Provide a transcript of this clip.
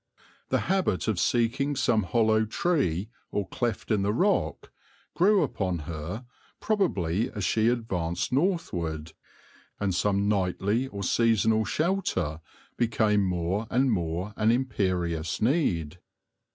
The habit of seeking some hollow tree or cleft in the rock grew upon her probably as she advanced northward, and some nightly or seasonal shelter became more and more an imperious need.